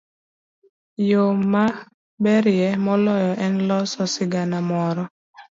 Yo maberie moloyo en loso sigana moro.